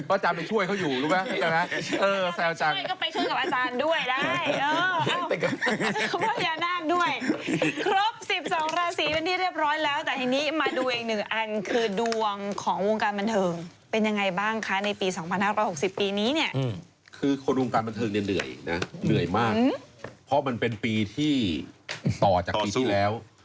อาจารย์ไปช่วยเขาอยู่รู้ไหมอาจารย์นะ